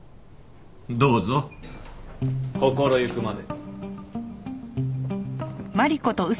どうぞ心ゆくまで。